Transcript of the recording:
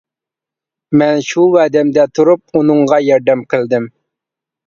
مەن شۇ ۋەدەمدە تۇرۇپ ئۇنىڭغا ياردەم قىلدىم.